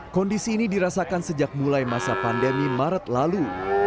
kondisi ini dirasakan sejak mulai masa pandemi maret lalu